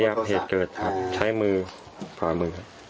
ครับเหตุเกิดครับใช้มือฝามือครับ